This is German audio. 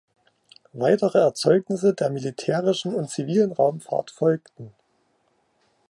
Weitere Erzeugnisse der militärischen und zivilen Raumfahrt folgten.